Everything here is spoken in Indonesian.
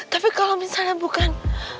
tapi kalau misalnya bukan